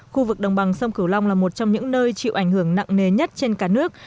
khu vực đồng bằng sông cửu long là một trong những nơi chịu ảnh hưởng nặng nề nhất trên cả nước